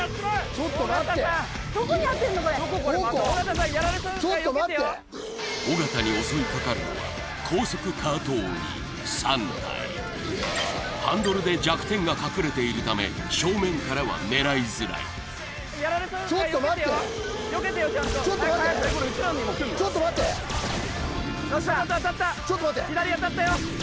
ちょっと待って尾形に襲いかかるのは３体ハンドルで弱点が隠れているため正面からは狙いづらい・やられそうですからよけてよちょっと待ってちょっと待って・当たった当たった左当たったよ